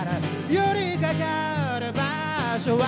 「寄りかかる場所は」